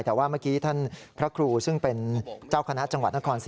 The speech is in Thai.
แต่ว่าเมื่อกี้ท่านพระครูซึ่งเป็นเจ้าคณะจังหวัดนครศรี